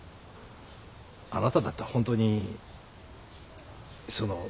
あなただってホントにそのう。